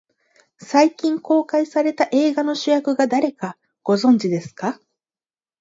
最近公開された映画の主役が誰か、ご存じですか。